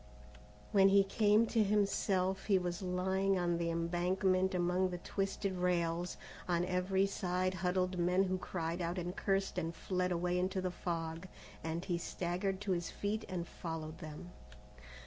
When he came to himself, he was lying on the embankment among the twisted rails. On every side huddled men who cried out and cursed and fled away into the fog, and he staggered to his feet and followed them.